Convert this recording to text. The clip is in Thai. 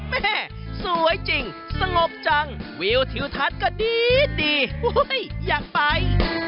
แม่สวยจริงสงบจังวิวทิวทัศน์ก็ดีอยากไป